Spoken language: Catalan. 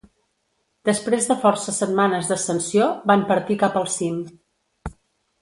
Després de força setmanes d'ascensió van partir cap al cim.